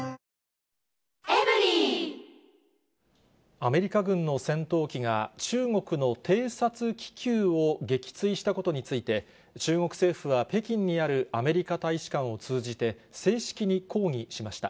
⁉アメリカ軍の戦闘機が中国の偵察気球を撃墜したことについて、中国政府は北京にあるアメリカ大使館を通じて、正式に抗議しました。